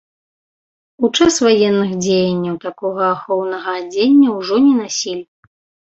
У час ваенных дзеянняў такога ахоўнага адзення ўжо не насілі.